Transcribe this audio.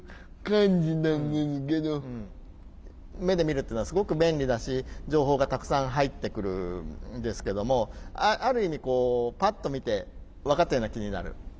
目で見るっていうのはすごく便利だし情報がたくさん入ってくるんですけどもある意味こうパッと見て分かったような気になる。